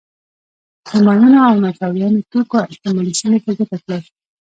د ماینونو او ناچاودو توکو احتمالي سیمې په ګوته کړئ.